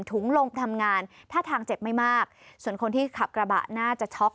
ถุงลงทำงานท่าทางเจ็บไม่มากส่วนคนที่ขับกระบะน่าจะช็อก